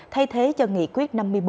thay thế cho nghị quyết năm mươi bốn